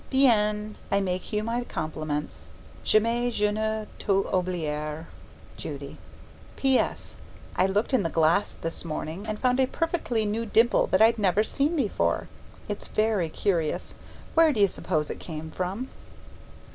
Bien! I make you my compliments. 'Jamais je ne t'oublierai.' Judy PS. I looked in the glass this morning and found a perfectly new dimple that I'd never seen before. It's very curious. Where do you suppose it came from?